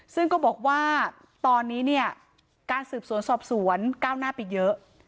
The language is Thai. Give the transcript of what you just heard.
ซึ่งก็บอกว่าตอนนี้เนี่ยการสืบสวนสอบสวนก้าวหน้าไปเยอะ